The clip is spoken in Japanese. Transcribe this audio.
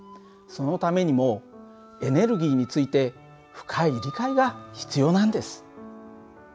そのためにもエネルギーについて深い理解が必要なんです。